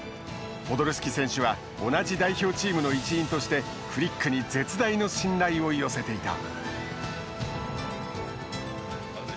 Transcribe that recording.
ポドルスキ選手は同じ代表チームの一員としてフリックに絶大の信頼を寄せていた。